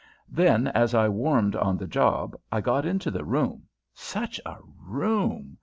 Then as I warmed on the job I got into the room, such a room!